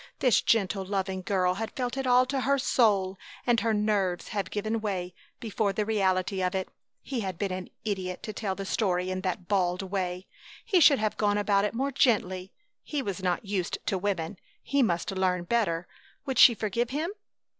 This gentle, loving girl had felt it all to her soul and her nerves had given way before the reality of it. He had been an idiot to tell the story in that bald way. He should have gone about it more gently. He was not used to women. He must learn better. Would she forgive him?